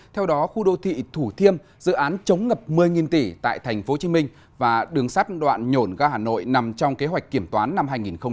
theo đó khu đô thị thủ thiêm dự án chống ngập một mươi tỷ tại tp hcm và đường sắt đoạn nhổn ga hà nội nằm trong kế hoạch kiểm toán năm hai nghìn hai mươi